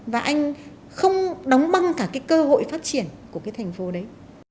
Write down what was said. và anh không đóng băng cả cái cơ hội phát triển của cái thành phố đấy